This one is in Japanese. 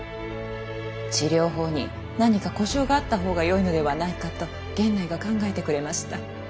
治療法に何か呼称があったほうがよいのではないかと源内が考えてくれました。